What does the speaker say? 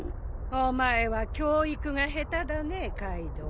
お前は教育が下手だねカイドウ。